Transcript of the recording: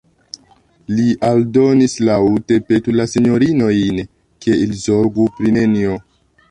Li aldonis laŭte: "Petu la sinjorinojn, ke ili zorgu pri nenio."